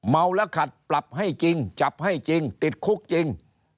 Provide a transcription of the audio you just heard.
เมาแล้วขัดปรับให้จริงจับให้จริงติดคุกจริง